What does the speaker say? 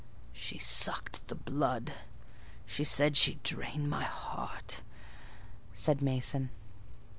"She sucked the blood: she said she'd drain my heart," said Mason.